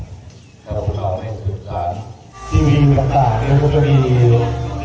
งานเกี่ยวกับเครื่องแบบนี้อ่าจริงต้องมีร่างแต่ก็ไม่ได้เครื่องที่สิ่ง